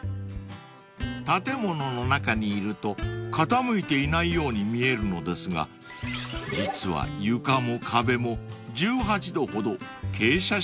［建物の中にいると傾いていないように見えるのですが実は床も壁も］